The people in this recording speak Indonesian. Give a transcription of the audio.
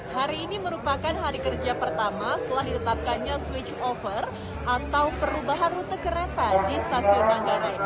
hari ini merupakan hari kerja pertama setelah ditetapkannya switch over atau perubahan rute kereta di stasiun manggarai